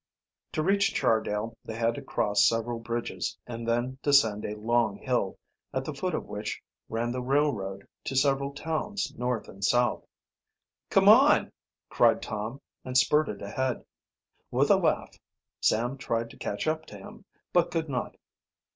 To reach Chardale they had to cross several bridges and then descend a long hill, at the foot of which ran the railroad to several towns north and south. "Come on!" cried Tom, and spurted ahead. With a laugh, Sam tried to catch up to him, but could not.